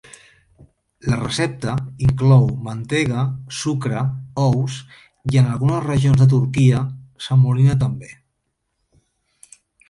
La recepta inclou mantega, sucre, ous, i en algunes regions de Turquia semolina també.